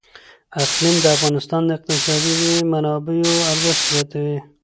اقلیم د افغانستان د اقتصادي منابعو ارزښت زیاتوي.